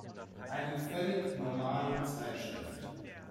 Eine völlig normale Zeitschrift.